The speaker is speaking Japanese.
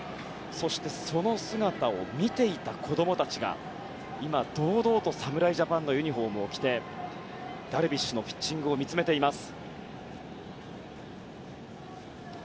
そしてその姿を見ていた子供たちが今、堂々と侍ジャパンのユニホームを着てダルビッシュのピッチングを見つめています。